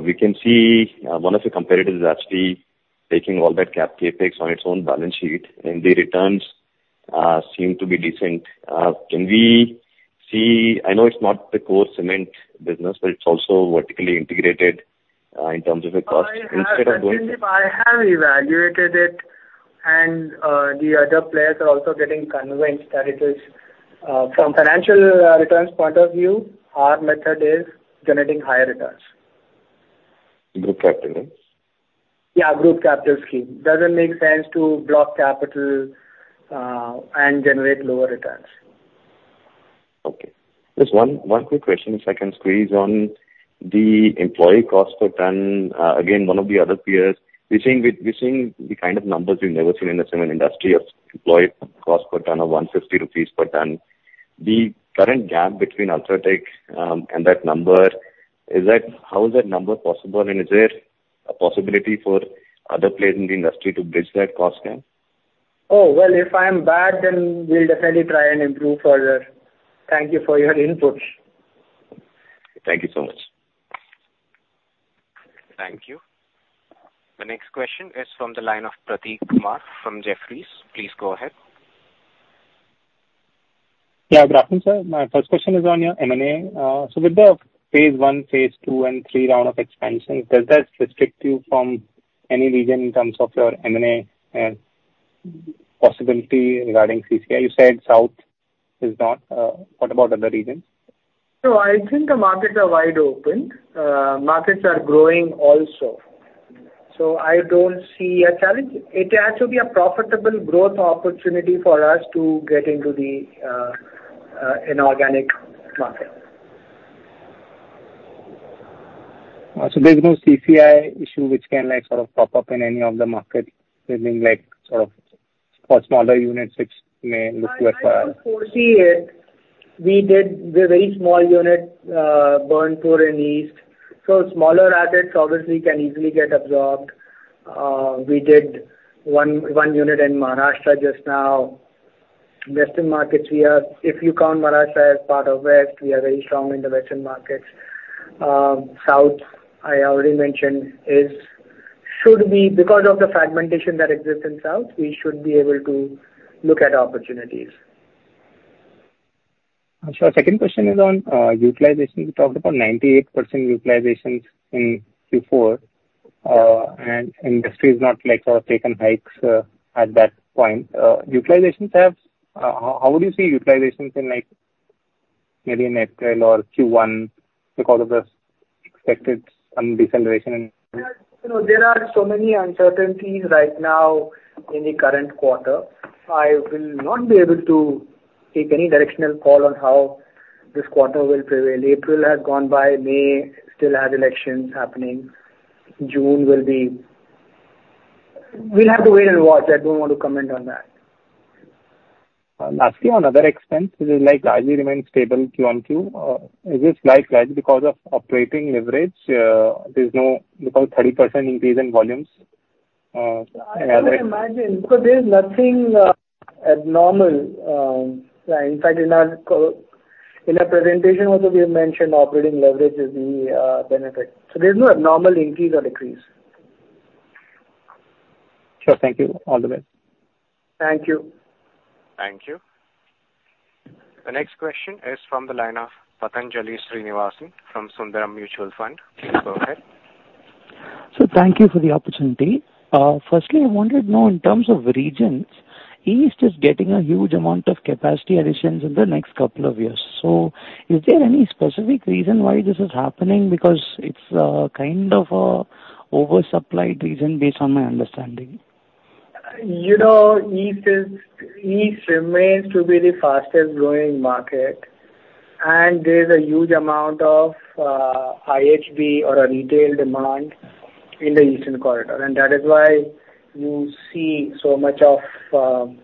we can see one of your competitors is actually taking all that CapEx on its own balance sheet, and the returns seem to be decent. Can we see... I know it's not the core cement business, but it's also vertically integrated in terms of the cost. Instead of going- I have evaluated it, and the other players are also getting convinced that it is from financial returns point of view, our method is generating higher returns. Group capital, yes? Yeah, group capital scheme. Doesn't make sense to block capital and generate lower returns. Okay. Just one quick question, if I can squeeze on the employee cost per ton. Again, one of the other peers, we're seeing the kind of numbers we've never seen in the cement industry of employee cost per ton of 150 rupees per ton. The current gap between UltraTech and that number, is that how is that number possible? And is there a possibility for other players in the industry to bridge that cost gap? Oh, well, if I'm bad, then we'll definitely try and improve further. Thank you for your inputs. Thank you so much. Thank you. The next question is from the line of Prateek Kumar from Jefferies. Please go ahead. Yeah, good afternoon, sir. My first question is on your M&A. So with the phase I, phase II, and III round of expansion, does that restrict you from any region in terms of your M&A and possibility regarding CCI? You said South is not, what about other regions? So I think the markets are wide open. Markets are growing also. So I don't see a challenge. It has to be a profitable growth opportunity for us to get into the inorganic market. So there's no CCI issue which can, like, sort of pop up in any of the markets, meaning like, sort of for smaller units which may look to acquire? I don't foresee it. We did a very small unit, Burnpur in East. So smaller assets obviously can easily get absorbed. We did one, one unit in Maharashtra just now. Western markets, we are, if you count Maharashtra as part of West, we are very strong in the western markets. South, I already mentioned, is. Because of the fragmentation that exists in South, we should be able to look at opportunities. So second question is on utilization. You talked about 98% utilizations in Q4, and industry has not, like, sort of taken hikes at that point. How would you see utilizations in, like, maybe in April or Q1 because of the expected deceleration? You know, there are so many uncertainties right now in the current quarter. I will not be able to take any directional call on how this quarter will prevail. April has gone by. May still has elections happening. June will be... We'll have to wait and watch. I don't want to comment on that. ... lastly, on other expense, which is like largely remains stable Q-on-Q. Is this because of operating leverage? There's about 30% increase in volumes, in other- I would imagine, so there's nothing abnormal. In fact, in our presentation also, we have mentioned operating leverage is the benefit. So there's no abnormal increase or decrease. Sure. Thank you. All the best. Thank you. Thank you. The next question is from the line of Pathanjali Srinivasan from Sundaram Mutual Fund. Please go ahead. So thank you for the opportunity. Firstly, I wanted to know in terms of regions, East is getting a huge amount of capacity additions in the next couple of years. So is there any specific reason why this is happening? Because it's kind of an oversupplied region, based on my understanding. You know, East is, East remains to be the fastest growing market, and there's a huge amount of IHB or a retail demand in the eastern corridor. That is why you see so much of, so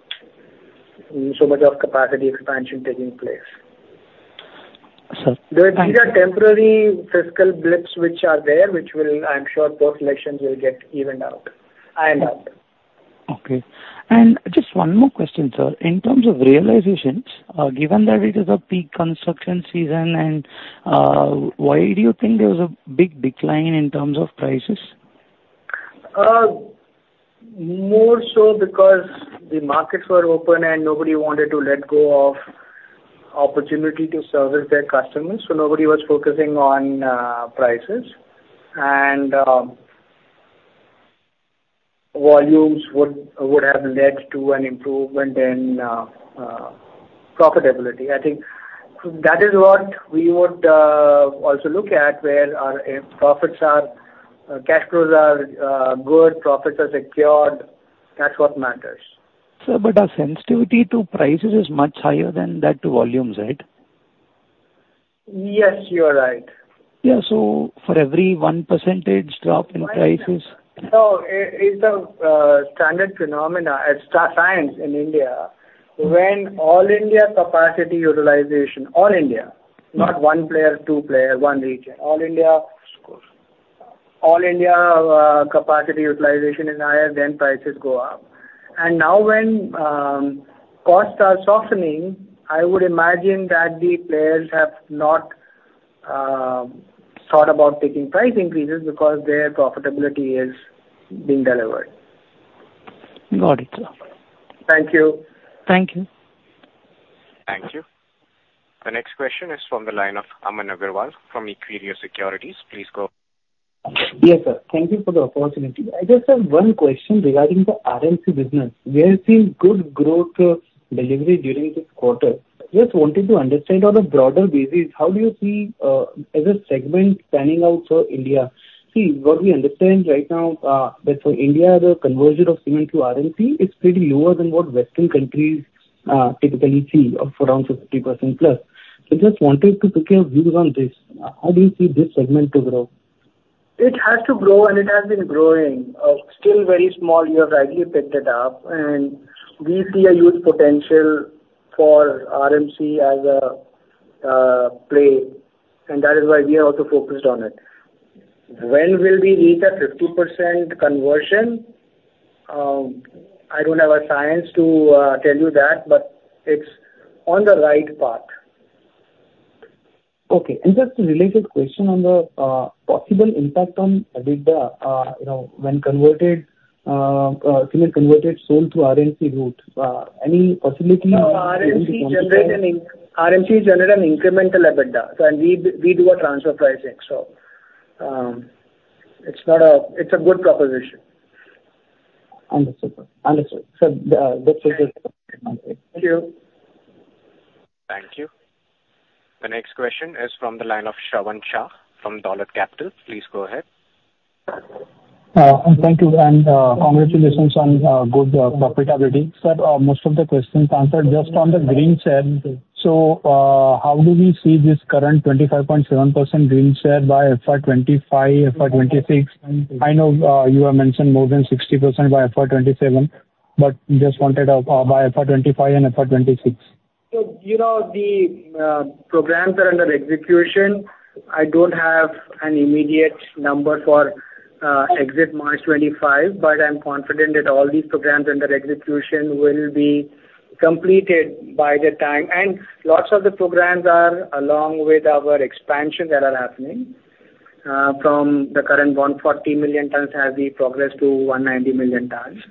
much of capacity expansion taking place. Sir, thank you. These are temporary fiscal blips which are there, which will... I'm sure post-elections will get evened out, I imagine. Okay. And just one more question, sir. In terms of realizations, given that it is a peak construction season and, why do you think there was a big decline in terms of prices? More so because the markets were open and nobody wanted to let go of opportunity to service their customers, so nobody was focusing on prices. Volumes would have led to an improvement in profitability. I think that is what we would also look at, where our, if profits are, cash flows are good, profits are secured, that's what matters. Sir, but our sensitivity to prices is much higher than that to volumes, right? Yes, you are right. Yeah, so for every 1% drop in prices? No, it's a standard phenomenon at star science in India. Mm-hmm. When all India capacity utilization, all India, not one player, two player, one region, all India. Of course. All India capacity utilization is higher, then prices go up. Now when costs are softening, I would imagine that the players have not thought about taking price increases because their profitability is being delivered. Got it, sir. Thank you. Thank you. Thank you. The next question is from the line of Aman Agrawal from Equirus Securities. Please go... Yes, sir. Thank you for the opportunity. I just have one question regarding the RMC business. We are seeing good growth, delivery during this quarter. Just wanted to understand on a broader basis, how do you see, as a segment panning out for India? See, what we understand right now, that for India, the conversion of cement to RMC is pretty lower than what Western countries, typically see, of around 50%+. So just wanted to secure views on this. How do you see this segment to grow? It has to grow, and it has been growing. Still very small, you have rightly picked it up, and we see a huge potential for RMC as a play, and that is why we are also focused on it. When will we reach a 50% conversion? I don't have a science to tell you that, but it's on the right path. Okay. And just a related question on the possible impact on EBITDA, you know, when converted cement converted sold through RMC route, any possibility? No, RMC generate an incremental EBITDA, so, and we do a transfer pricing, so, it's not a— It's a good proposition. Understood, sir. Understood. So, this is just Thank you. Thank you. The next question is from the line of Shravan Shah from Dolat Capital. Please go ahead. Thank you, and congratulations on good profitability. Sir, most of the questions answered just on the green share. So, how do we see this current 25.7% green share by FY 2025, FY 2026? I know you have mentioned more than 60% by FY 2027, but just wanted by FY 2025 and FY 2026. So, you know, the programs are under execution. I don't have an immediate number for exit March 2025, but I'm confident that all these programs under execution will be completed by the time. And lots of the programs are along with our expansion that are happening from the current 140 million tons, as we progress to 190 million tons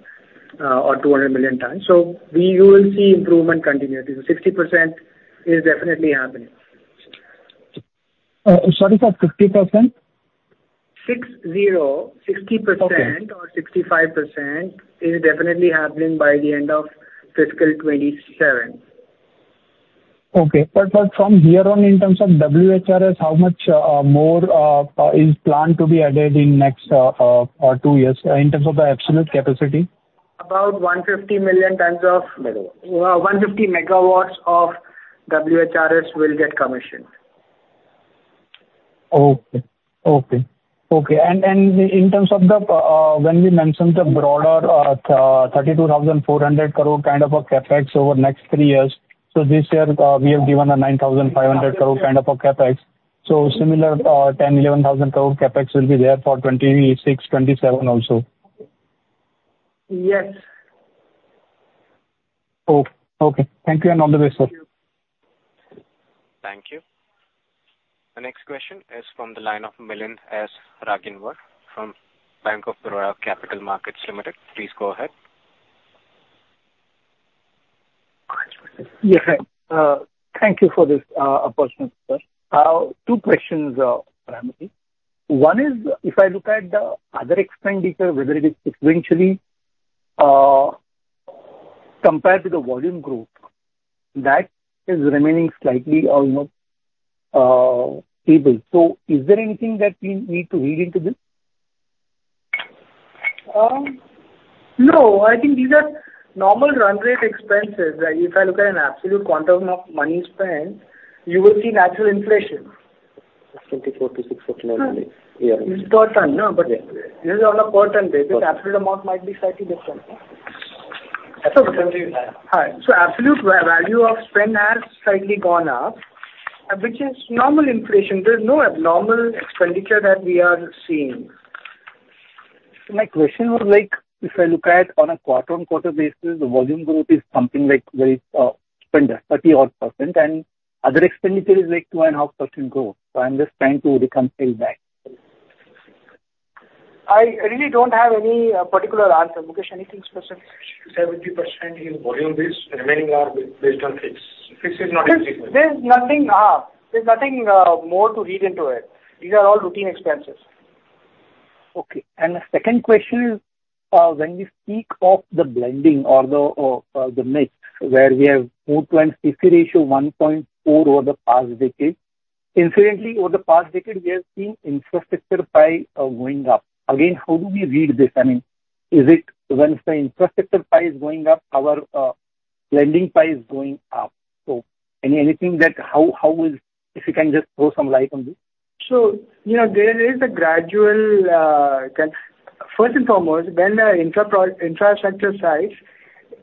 or 200 million tons. So we... You will see improvement continuously. 60% is definitely happening. Sorry, sir, 60%? 60, 60%- Okay. Or 65% is definitely happening by the end of fiscal 2027. Okay. But, but from here on, in terms of WHRS, how much more is planned to be added in next two years, in terms of the absolute capacity? About 150 million tons of 150 MW of WHRS will get commissioned.... Okay, okay. Okay, and, and in terms of the, when we mentioned the broader, 32,400 crore kind of a CapEx over the next three years, so this year, we have given a 9,500 crore kind of a CapEx. So similar, 10,000-11,000 crore CapEx will be there for 2026, 2027 also. Yes. Oh, okay. Thank you and all the best, sir. Thank you. Thank you. The next question is from the line of Milind S. Raghuwans from Bank of Baroda Capital Markets Limited. Please go ahead. Yeah, thank you for this opportunity, sir. Two questions, primarily. One is, if I look at the other expenditure, whether it is sequentially, compared to the volume growth, that is remaining slightly or, you know, stable. So is there anything that we need to read into this? No, I think these are normal run rate expenses. If I look at an absolute quantum of money spent, you will see natural inflation. 24-614. Mm-hmm. It's per ton, no? Yeah. This is on a per ton basis. Absolute amount might be slightly different. Absolutely. Hi. So absolute value of spend has slightly gone up, which is normal inflation. There is no abnormal expenditure that we are seeing. So my question was like, if I look at on a quarter-on-quarter basis, the volume growth is something like very splendid, 30-odd%, and other expenditure is like 2.5% growth. So I'm just trying to reconcile that. I really don't have any particular answer. Mukesh, anything specific? 70% in volume base, the remaining are based on fixed. Fixed is not- There's nothing more to read into it. These are all routine expenses. Okay. And the second question is, when you speak of the blending or the, or, the mix, where we have 0.4 CC ratio, 1.4 over the past decade. Incidentally, over the past decade, we have seen infrastructure pie going up. Again, how do we read this? I mean, is it when the infrastructure pie is going up, our blending pie is going up? So anything that how is... If you can just throw some light on this. So, you know, there is a gradual. First and foremost, when the infrastructure size,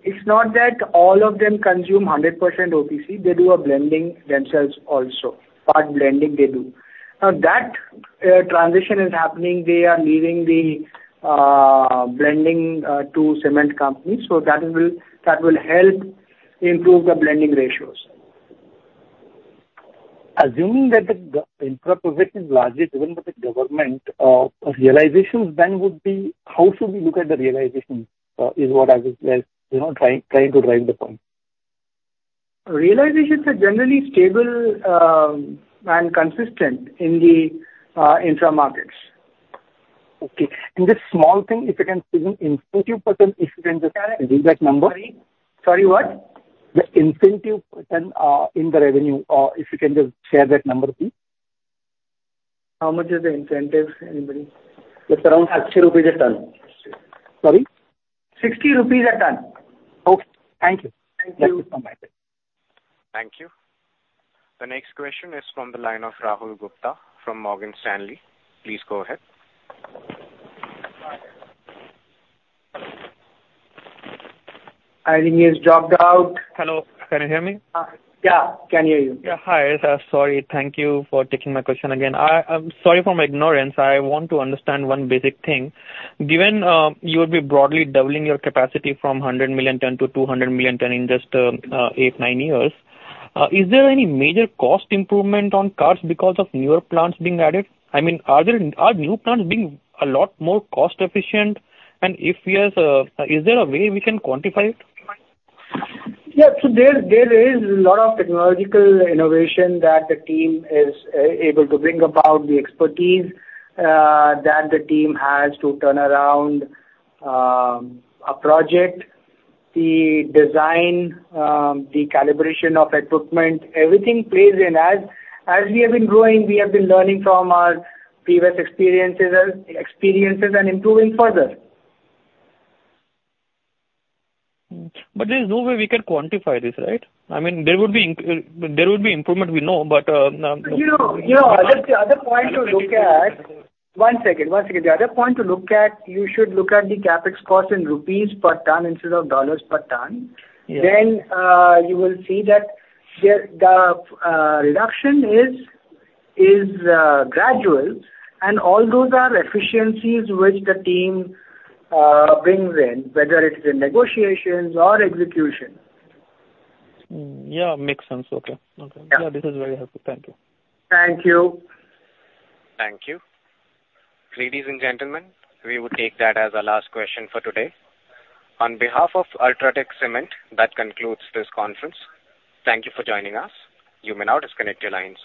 it's not that all of them consume 100% OPC, they do a blending themselves also. Part blending they do. Now, that transition is happening, they are leaving the blending to cement companies, so that will, that will help improve the blending ratios. Assuming that the infra project is largely driven by the government, realizations then would be, how should we look at the realizations? Is what I was, like, you know, trying to drive the point. Realizations are generally stable, and consistent in the intra markets. Okay. And the small thing, if you can give me incentive %, if you can just read that number. Sorry, sorry what? The incentive percent in the revenue, if you can just share that number, please. How much is the incentive, anybody? It's around 60 rupees a ton. Sorry? 60 rupees a ton. Okay. Thank you. Thank you. Thank you, bye-bye. Thank you. The next question is from the line of Rahul Gupta from Morgan Stanley. Please go ahead. I think he has dropped out. Hello, can you hear me? Yeah, can hear you. Yeah, hi, sorry. Thank you for taking my question again. I, I'm sorry for my ignorance. I want to understand one basic thing. Given, you will be broadly doubling your capacity from 100 million ton to 200 million ton in just eight to nine years, is there any major cost improvement on costs because of newer plants being added? I mean, are there, are new plants being a lot more cost efficient? And if yes, is there a way we can quantify it? Yeah. So there is a lot of technological innovation that the team is able to bring about, the expertise that the team has to turn around a project, the design, the calibration of equipment, everything plays in. As we have been growing, we have been learning from our previous experiences and experiences and improving further. Hmm. But there's no way we can quantify this, right? I mean, there would be improvement, we know, but. You know, the other point to look at. One second. The other point to look at, you should look at the CapEx cost in rupees per ton instead of dollars per ton. Yeah. Then, you will see that the reduction is gradual, and all those are efficiencies which the team brings in, whether it's in negotiations or execution. Hmm. Yeah, makes sense. Okay. Okay. Yeah. Yeah, this is very helpful. Thank you. Thank you. Thank you. Ladies and gentlemen, we would take that as our last question for today. On behalf of UltraTech Cement, that concludes this conference. Thank you for joining us. You may now disconnect your lines.